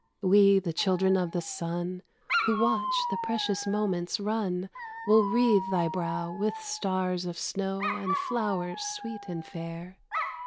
We, the children of the sun, Who watch the precious moments run, Will wreathe thy brow with stars of snow and flowers sweet and fair.